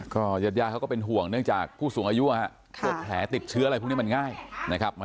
ก็ยัดยาเขาก็เป็นห่วงเนื่องจากผู้สูงอายุ